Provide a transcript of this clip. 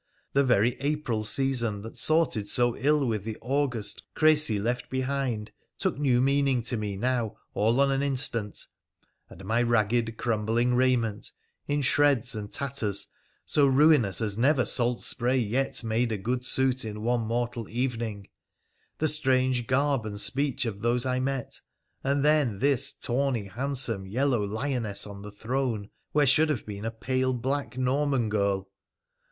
The very April season that sorted so ill with the August Crecy left behind took new meaning to me now all on an instant ; and my ragged, crumbling raiment, in shreds and tatters, so ruinous as never salt spray yet made a good suit in one mortal evening, the strange garb and speech of those I met, and then this tawny, handsome, yellow lioness on the throne where should have been a pale, black Norman girl.